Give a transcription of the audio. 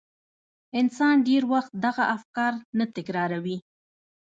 انسان ډېر وخت دغه افکار نه تکراروي.